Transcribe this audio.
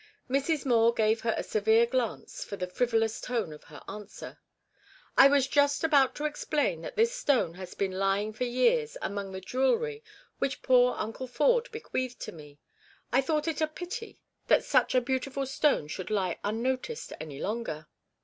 Mrs. Moore gave her a severe glance for the frivolous tone of her answer. 'I was just about to explain that this stone has been lying for years among the jewellery which poor uncle Ford bequeathed to me. I thought it a pity that such a beautiful stone should lie unnoticed any longer.'